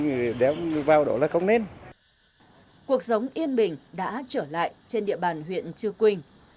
nhiều đối tượng yên bình đã trở lại trên địa bàn huyện chư quỳnh